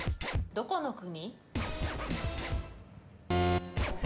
どこの国？